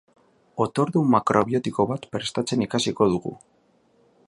Otordu makrobiotiko bat prestatzen ikasiko dugu.